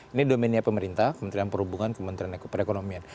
ini domennya pemerintah kementerian perhubungan kementerian perekonomian